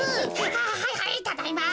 はいはいただいま。